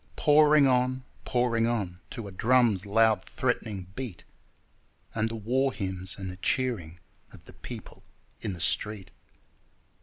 Pouring on, pouring on, To a drum's loud threatening beat, And the war hymns and the cheering of the people in the street.